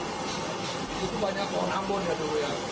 itu banyak pohon ambon ya dulu ya